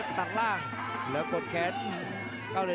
ตอนต่อไป